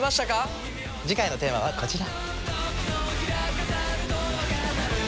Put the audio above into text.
次回のテーマはこちら。